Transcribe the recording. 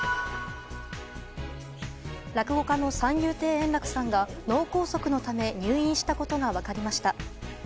落語家の三遊亭円楽さんが脳梗塞のため入院したことが分かりました。